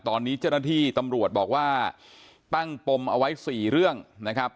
ตอนนี้เจ้าหน้าที่ตำรวจบอกว่าตั้งปมเอาไว้๔เรื่องนะครับ